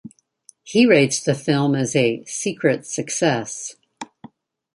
He rates the film as a "secret success".